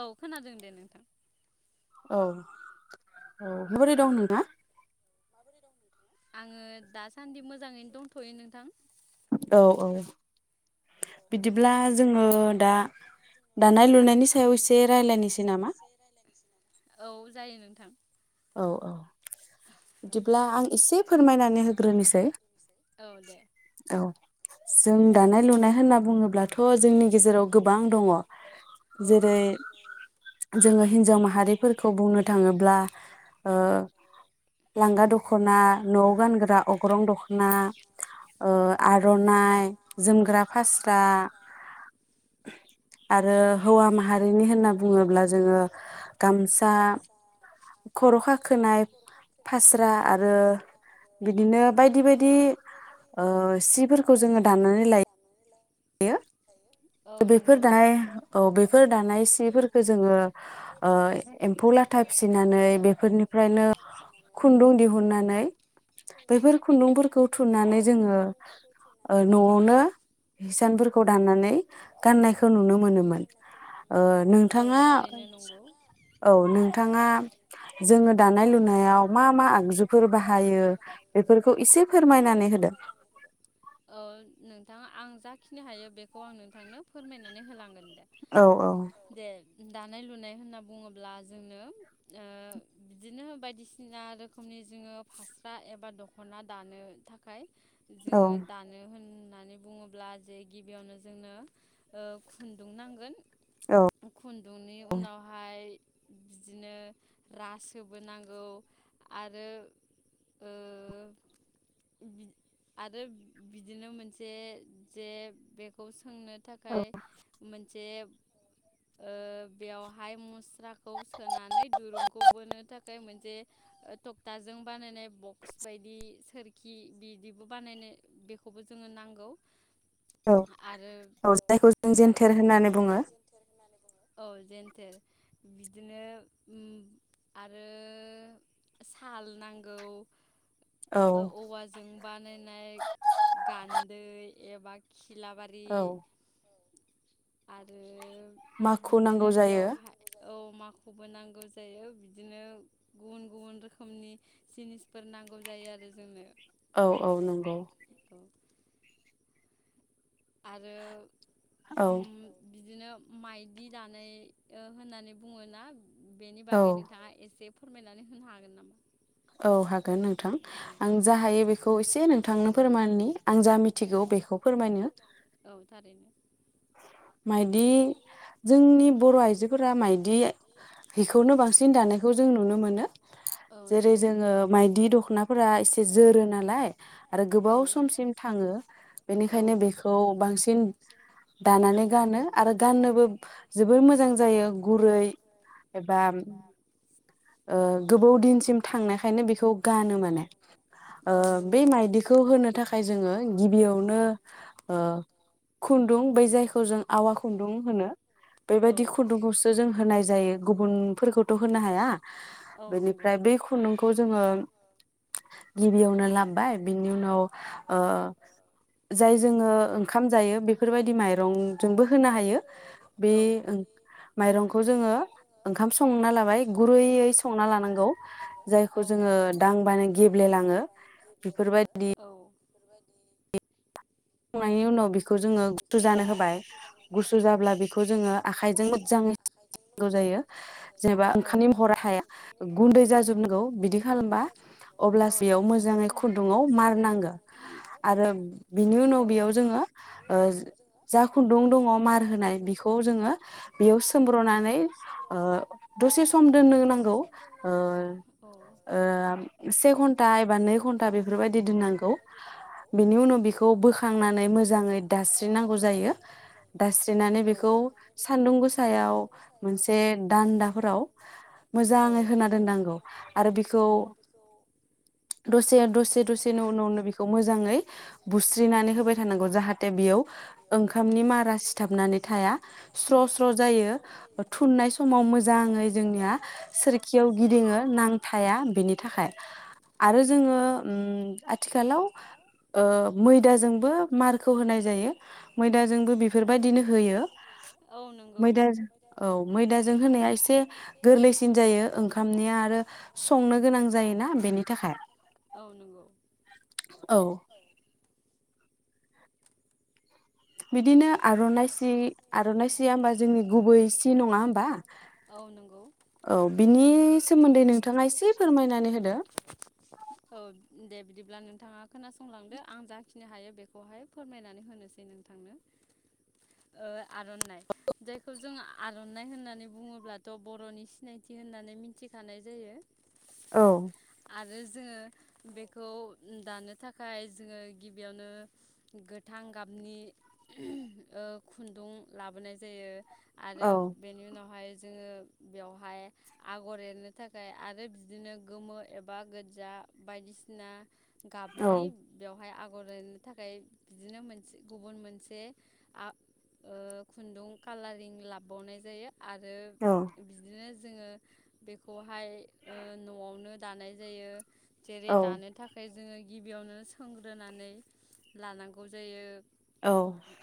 औ खोनादों दे नोंथां। औ औ मोरै दं नोंथाङा? आङो दासान्दि मोजाङैनो दंथ'यो नोंथां। औ औ बिदिब्ला जोङो दा दानाय लुनायनि सा दानाय लुनायनि सायाव एसे रायलायनोसै। औ। जायो नोंथां। औ औ बिदिब्ला आं एसे फोरमायनानै होग्रोनोसै। औ। जों दानाय लुनाय होनना बुङोब्लाथ' जोंनि गेजेराव गोबां दङ जेरै जोङो हिन्जाव माहारिफोरखौ बुंनो थाङोब्ला ओ लांगा दख'ना न'आव गानग्रा अग्रं दख'ना ओ आर'नाइ जों फास्रा आर ओ हौवा माहारिनि होनना बुङोब्ला जोङो गामसा खर' खाखोनाय फास्रा आरो बिदिनो बायदि बायदि ओ सिफोरखौ जोङो दाननानै लायो यो बेफोर दानाय औ बेफोर दानाय सिफोरखो जोङो ओ एम्फौ लाथा फिसिनानै बेफोरनिफ्रायनो खुन्दुं दिहुननानै बैफोर खुन्दुंफोरखौ थुनानै जोङो ओ न'आवनो हिसानफोरखौ दान्नानै गाननायखौ नुनो ओ नोंथाङा औ नोंथाङा जोङो दानाय लुनायाव मा मा आगजुफोर बाहायो बेफोरखौ इसे फोरमायनानै होदो। थां आं जाखिनि हायो बेखौ आं नोंथांनो फोरमायनानै होलां औ औ दानाय लुनाय होनना बुङोब्ला जोंनो ओ बिदिनो बायदिसिना रोखोमनि जोङो फास्रा एबा दख'ना दानो थाखाय जोङो दानो होन होननानै बुङोब्ला जे गिबियावनो जोंनो खु खुन्दुं नांगोन। खुन्दुंनि उनावहाय बिदिनो रासोबो नांगौ आरो ओ बि आरो बिदिनो मोनसे जे बेखौस सोंनो थाखाय मोनसे ओ बेयावहाय मुस्राखौ सोनानै दुरुंखौ बोनो थाखाय मोनसे थखथाजों बानायनाय बक्स बायदि सोरखि बिदिबो बानायनाय बेखौबो जोंनो नांगौ। औ औ जायखौ जों जेनथेर होननानै बुङो। औ जेनथेल बिदिनो उम आरो साल नांगौ। औवाजों बानायनाय गान्दै एबा खिलाबारि। आरो बिदिनो बेयावहाय औ माखुबो नांगौ जायो बिदिनो गुबुन गुबुन रोखोमनि जिनिसफोर नांगौ जायो आरो जोंनो औ औ नंगौ आरो औ बिदिनो माइदि दानाय होननानै बुङोना बेनि बागै नोंथाङा एसे। फोरमायनानै होनो हागोन नामा? औ हागोन नोंथां आं जा हायो बेखौ एसे नोंथांनो फोरमाननि आं जा मिथिगौ बेखौ फोरमायनो माइदि जोंनि बर' आइजोफोरा मायदि हिखौनो बांसिन दानायखौ जों नुनो मोनो जेरै जोङो माइदि दख'नाफोरा एसे जोरो नालाय आरो गोबाव समसिम थाङो बेनिखायनो बे खौ बांसिन दानानै गानो आरो गाननोबो जोबोर मोजां जायो गुरै एबा गोबाव ओ दिनसिम थांनायखायनो बेखौ गानो माने ओ बे माइदिखौ होनो थाखाय जोंङो गिबियावनो ओ खुन्दुं बै जायखौ जों आवा खुन्दुं होनो बेबायदि खुन्दुंखौसो जों होनाय जायो गुबुनफोरखौथ' होनो हाया बेनिफ्राय बे खुन खुन्दुंखौ जोङो गिबियावनो लाबबाय बिनि उनाव ओ जाय जोङो ओंखाम जायो बेफोरबायदि माइरंजोंबो होनो हायो बे माइरंखौ जोङो ओंखाम संना लाबाय गुरैयै संना लानांगौ। बेखौ जोङो दांबानो गेब्लेलाङो बेफोरबायदि बेफोरबायदि संनायनि उनाव बेखौ जोङो गुसु जानो होबाय गुसु जाब्ला बेखौ जोङो आखाइजों मोजाङै [unintelligible] नांगौ जायो जेनेबा ओंखामनि महरा थाया गुन्दै जाजोबनांगौ बिदि खालामबा अब्लासो इयाव मोजाङै खुन्दुङाव मारनाङो आरो बिनि उनाव ओ जा खुन्दुं दङ मार होनाय बेखौ जोङो बेयाव सोमब्र'नानै ओ दसे सम दोननो नांगौ ओ-ओ से घन्टा एबा नै घन्टा बेफोरबायदि दोननांगौ बेनि उनाव बेखौ बोख दास्रिनांगौ जायो दास्रिनानै बेखौ सान्दुं गोसायाव मोनसे दान्दाफोराव मोजाङै होना दोननांगौ आरो बेखौ दसे दसे दसेनि उनावनो बेखौ मोजाङै बुस्रि नानै होबाय थानांगौ। थे बेयाव ओंखामनि मारा सिथाबनानै थाया स्र' स्र' जायो थुननाय समाव मोजांङै जोंनिया सोरखियाव गिदिंङो नांथा बेनि थाखाय आरो जोंङो उम आथिखालाव ओ [unintelligible] मारखो खौ होनाय जायो मैदाजोंबो बेफोरबायदिनो होयो मैदाजों औ मैदाजों होनाया एसे गोरलैसिन जायो ओंखामनिया आरो संनो गोनां जायोना बेनि थाखाय औ। बिदिनो आर'नाइ सि आर'नाइ सिया होमबा जोंनि गुबै सि नङा होमबा? औ बिनि सोमोन्दै नोंथाङा एसे फोरमायनानै होदो अब्ला नोंथाङा खोनासंलांदो आं जाखिनि हायो बेखौहाय फोरमायनानै होनोसै नोंथांनो। ओ आर'नाइ जायखौ जों आर'नाइ होननानै बुंङोब्लाथ' बर'नि सिनायथि होननानै मिथिखानाय जायो। औ। आरो जोङो बेखौ दानो थाखाय जोङो गिबियावनो गोथां गाबनि- ओ खुन्दुं लाबोनाय जायो आरो बेनि उनावहाय जोङो बेवहाय आगर एरनो थाखाय आरो बिदिनो गोमो एबा गोजा बायदिसिना गाबनि बेवहाय आग गर एरनो थाखाय बिदिनो मोनसे गुबुन मोन मोनसे आ ओ खुन्दुं कालारिं लाबबावनाय जायो। आरो बिदिनो जोङो बेखौहाय ओ न'आवनो दानाय जायो। जेरै दानो थाखाय जोङो गिबियावनो सोंग्रोनानै लानांगौ जायो।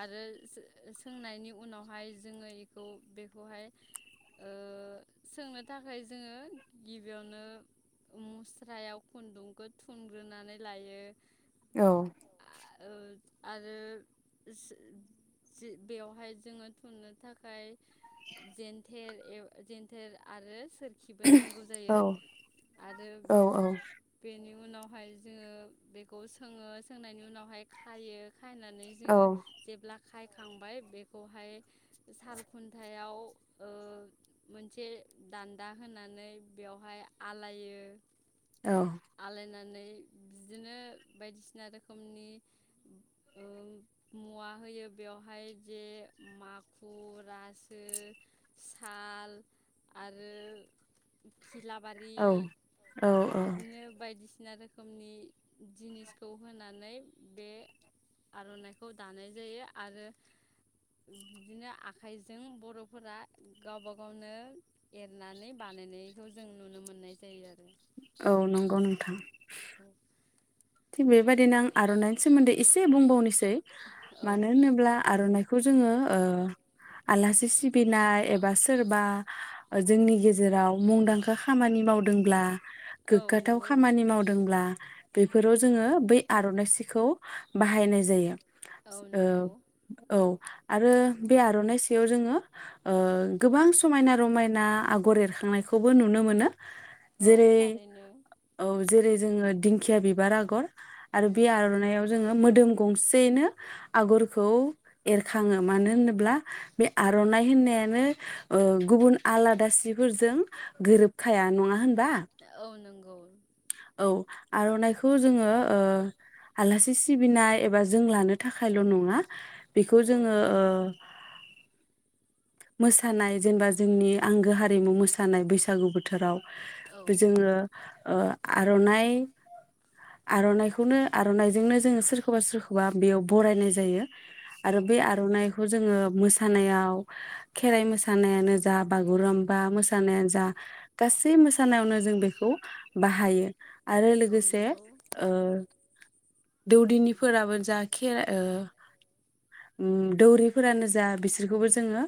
आरो जो सोंनायनि उनावहाय जोङो इखौ बेखौ बेखौहाय ओ सोंनो थाखाय जोङो गिबियावनो मुस्रायाव खुन्दुंखो थुनग्रोनानै लायो‌। औ। ओ आरो। [inaudible] बेवहाय जोङो थुननो थाखाय। जेन्थेर एव जेन्थेर आरो सोरखिबो नांगौ जायो आरो बेनि उनावहाय जोङो बेखौ सोङो सोंनायनि उनावहाय खायो खाना जोङो जेब्ला खायखांबाय बेखौहाय साल खुन्थायाव ओ मोनसे दान्दा होनानै बेवहाय आलायो। आलायनानै बि बिदिनो बायदिसिना रोखोमनि ओ। मुवा होयो बेवहाय जे माखुर रासो साल आरो खिलाबारि बिदिनो बायदिसि सिना रोखोमनि जिनिसखौ होनानै बे आरनाइ खौ दानाय जायो आरो बिदिनो आखाइजों बर'फोरा गावबा गावनो एरनानै बानायनायखौ जों नुनो मोननाय जायो आरो। औ नंगौ नोंथां। [inaudible] थिग बेबायदिनो आं आरनाइनि सोमोन्दै एसे बुंबावनोसै सै मानो होनोब्ला आरनाइ खौ जोङो ओ‌ आलासि सिबिनाय एबा सोरबा ओ जोंनि गेजेराव मुंदांखा खामानि मावदोंब्ला। गोग्गाथाव खामानि मावदोंब्ला। बेफोराव जोङो बै आरनाइ सिखौ बाहायनाय जायो। ओ औ। आरो बे आरनाइ सियाव जोङो ओ गोबां समायना रमायना आगर एरखांनायखौबो नुनो मोनो। जेरै औ जेरै जोङो दिं खिया बिब बार आगर। आरो बे आरनाइयाव जोङो मोदोम गंसेनो आगरखौ एरखाङो मानो होनोब्ला बे आरनाइ होननायानो ओ गुबुन आलादा सिफोरजों गोरोबखाया नङा होन औ नोंगौ औ आरनाइखौ जोङो ओ आलासि सिबिनाय एबा जों लानो थाखायल' नङा बेखौ जोङो ओ। मोसानाय जेनेबा जोंनि आंगो हारिमु मोसानाय बैसागु बोथोराव। बे जोङो ओ। आरनाय आर'नाइखौनो आर'नाइजोंनो जोङो सोरखौबा सोरखौबा बेयाव बरायनाय जायो। आरो बे आर'नाइखौ जोङो मोसानायाव खेराइ मोसानायानो जा बागुरुम्बा मोसानायानो जा गासै मोसानायावनो जों बेखौ बाहायो। आरो लोगोसे ओ दौदिनिफोराबो जा खेराइ ओ‌ उम दौरिफोरानो जा बिसोरखौबो जोङो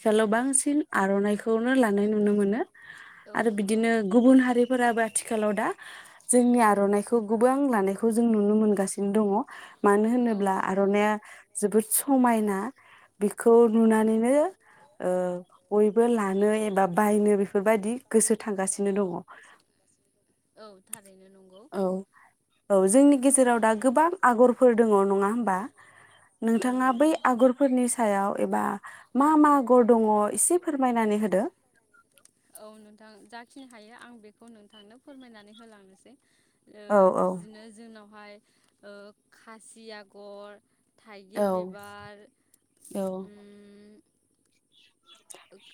आथिखालाव बांसिन आरनाइखौनो लानाय नुनो मोनो आरो बिदिनो गुबुन हारिफोराबो आथिखालाव दा जोंनि आरनाइखौ गोबां लानायखौ जों नुनो मोनगासिनो दङ मानो होनोब्ला आरनाइया जोबोद समायना। बेखौ नुनानैनो ओ बयबो लानो एबा बायनो बेफोरबायदि गोसो थांगासिनो दङ औ औ जोंनि जोंनि गेजेराव दा गोबां आगरफोर दङ नङा होमबा नोंथाङा बै आगरफोरनि सायाव एबा मा मा आगर दङ एसे फोरमायनानै होदो। जाखिनि हायो आं बेखौ नोंथांनो फोरमायनानै होलांनोसै। ओ बिदिनो जोंनाव ओमफाय खासि आगर थाइगिर बिबार,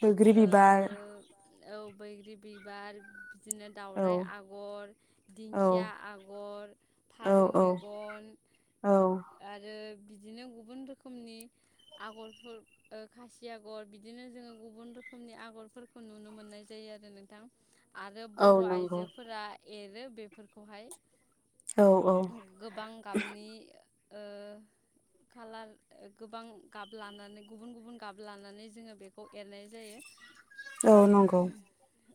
बैग्रि बिबार औ बैग्रि बिबार बिदिनो दावराइ आगर, दिंखिया आगर, फारौ मेगन आरो बिदिनो गुबुन रोखोमनि आगरफोर ओ खासि आगर बिदि बिदिनो जोङो गुबुन रोखोमनि आगरफोरखौबो नुनो मोननाय जायो आरो नोंथां। आरो बर' आइजोफोरा एरो बेफोरखौहाय। गोबां गाबनि ओ खालार गोबां गाब लानानै गुबुन गुबुन गाब लानानै जोङो। बेखौ एरनाय जायो।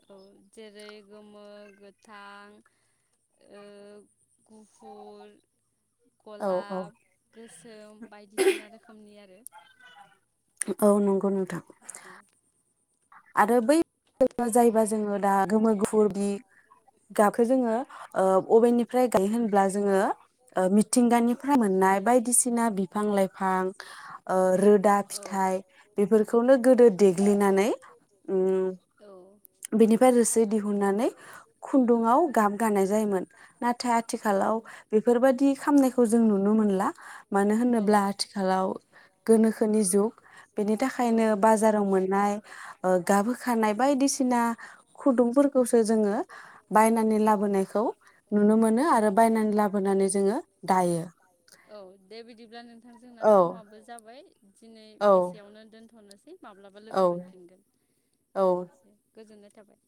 औ जेरै गोमो, गोथां, ओ गुफुर गलाब गोसोम बायदिसिना रोखोमनि आरो औ नंगौ नोंथां। आरो बै जाय बा जोङो दा गोमो गुफुर बि गाबखौ जोङो अबेनिफ्राय गायो होनब्ला जोङो मिथिंगानिफ्राय मोननाय बायदिसिना बिफां-लाइफां ओ रोदा फिथाइ बेफोरखौनो गोदो देग्लिनानै उम बि [unintelligible] रोसि दिहुननानै खुन्दुङाव गाब गानाय जायोमोन नाथाय आथिखालाव बेफोर बायदि खामनायखौ जों नुनो मोनला मानो होनोब्ला आथिखालाव गोनोखोनि जुग बेनि थाखायनो बाजाराव मोननाय गाब होखानाय बायदिसिना खुदुंफोरखौसो जोङो बायनानै लाबोनायखौ नुनो मोनो आरो बायनानै लाबोनानै जोङो दायो नोंथां जोंना समाबो जाबाय दिनै एसेयावनो दोनथनोसै माब्लाबा लोगो मोनफिनगोन गोजोन्नाय जाबाय।